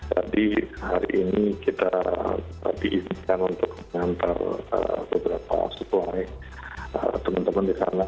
tadi hari ini kita diizinkan untuk mengantar beberapa supply teman teman di sana